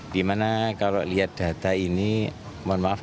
di mana kalau lihat data ini mohon maaf